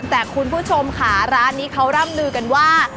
แต่คุณผู้ชมค่ะร้านนี้เขาร่ำลือกันว่า